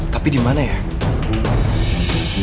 dewa temen aku